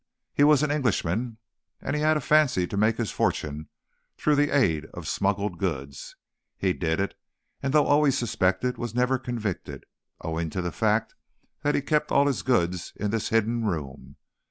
He was an Englishman, and he had a fancy to make his fortune through the aid of smuggled goods. He did it; and though always suspected, was never convicted, owing to the fact that he kept all his goods in this hidden room.